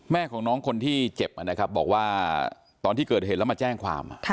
แม่ของน้องคนที่เจ็บนะครับบอกว่าตอนที่เกิดเหตุแล้วมาแจ้งความ